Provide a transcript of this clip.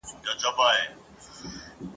له نارنج ګل له سنځل ګل څخه راغلي عطر ..